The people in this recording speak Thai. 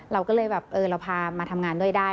เราก็เลยแบบเออเราพามาทำงานด้วยได้